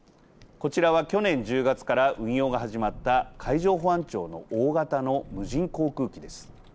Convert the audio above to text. こちらは、去年１０月から運用が始まった海上保安庁の大型の無人航空機です。